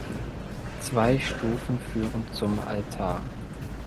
Zwei Stufen führen zum Altar.